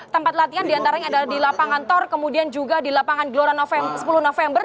tempat latihan diantaranya adalah di lapangan tor kemudian juga di lapangan gelora sepuluh november